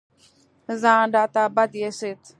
ځان راته بد اېسېد.